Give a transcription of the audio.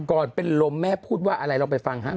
ก่อนเป็นลมแม่พูดว่าอะไรลองไปฟังฮะ